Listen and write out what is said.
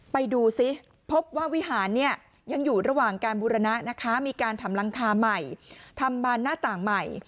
ไปดูซิพบว่าวิหารเนี่ยยังอยู่ระหว่างการบูรณะนะคะมีการทำหลังคาใหม่ทำบานหน้าต่างใหม่